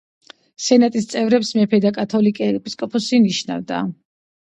სენატის წევრებს მეფე და კათოლიკე ეპისკოპოსი ნიშნავდა.